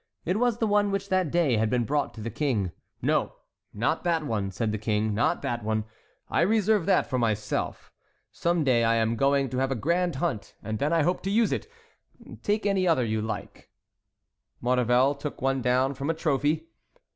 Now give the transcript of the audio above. It was the one which that day had been brought to the King. "No, not that one," said the King, "not that one; I reserve that for myself. Some day I am going to have a grand hunt and then I hope to use it. Take any other you like." Maurevel took one down from a trophy.